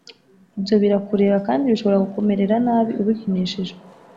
ibyo birakureba kandi bishobora kukumerera nabi ubikinishije.